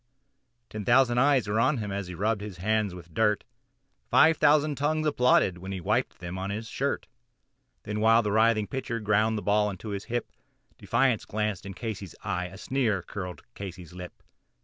Ten thousand eyes were on him as he rubbed his hands with dirt, Five thousand tongues applauded as he wiped them on his shirt; And while the writhing pitcher ground the ball into his hip Defiance gleamed from Casey's eye a sneer curled Casey's lip.